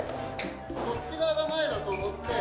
こっち側が前だと思って。